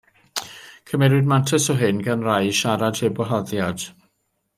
Cymerwyd mantais o hyn gan rai i siarad heb wahoddiad.